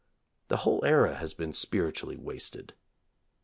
The whole era has been spiritually wasted.